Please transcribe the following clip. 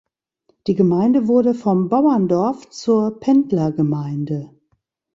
Die Gemeinde wurde vom Bauerndorf zur Pendlergemeinde.